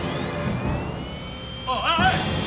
おっおい！